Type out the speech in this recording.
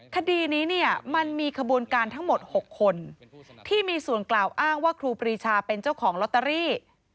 คดีนี้เนี่ยมันมีขบวนการทั้งหมด๖คนที่มีส่วนกล่าวอ้างว่าครูปรีชาเป็นเจ้าของลอตเตอรี่